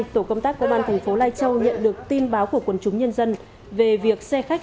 tổ công tác công an thành phố lai châu nhận được tin báo của quần chúng nhân dân về việc xe khách